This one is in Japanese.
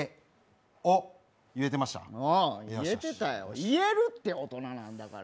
言えてたよ、言えるって、大人なんだから。